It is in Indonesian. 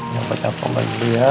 ya baca pembahasannya dulu ya